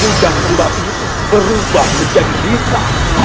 ujang udap itu berubah menjadi kita